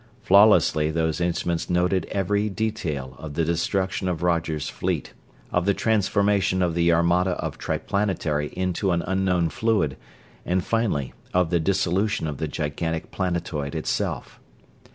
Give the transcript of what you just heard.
Flawlessly those instruments noted every detail of the destruction of Roger's fleet, of the transformation of the armada of Triplanetary into an unknown fluid, and finally of the dissolution of the gigantic planetoid itself.